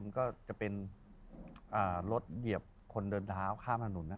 ก็จะเป็นรถเหยียบคนเดินเท้าข้ามถนน